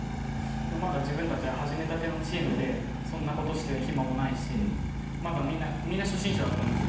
でもまだ自分たちは始めたてのチームでそんなことしてる暇もないしまだみんな初心者だったんですよ。